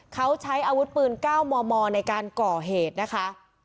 เขาใช้อาวุธปืน๙มมในการก่อเหตุนะคะ